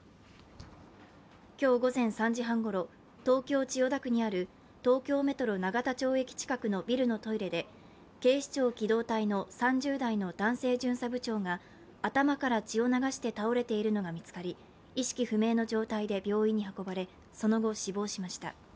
今日午前３時半ごろ、東京・千代田区にある東京メトロ永田町駅近くのビルのトイレで警視庁機動隊の３０代の男性巡査部長が頭から血を流して倒れているのが見つかり意識不明の状態で病院に運ばれ、その後死亡しました。